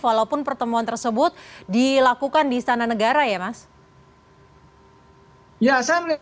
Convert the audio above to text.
walaupun pertemuan tersebut dilakukan di istana negara ya mas